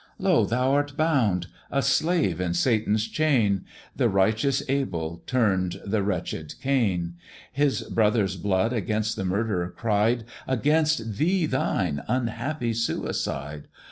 Lo! thou art bound; a slave in Satan's chain; The righteous Abel turn'd the wretched Cain; His brother's blood against the murderer cried, Against thee thine, unhappy suicide!